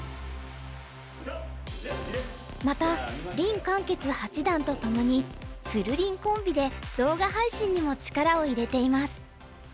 また林漢傑八段とともにつるりんコンビで動画配信にも力を入れています。